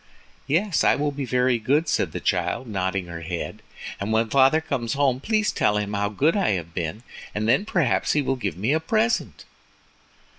"Yes, I will be very good," said the child, nodding her head, "and when father comes home please tell him how good I have been, and then perhaps he will give me a present."